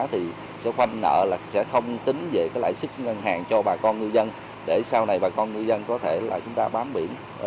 thì sẽ khoanh nợ là sẽ không tính về cái lãi sức ngân hàng cho bà con ngư dân để sau này bà con ngư dân có thể là chúng ta bám biển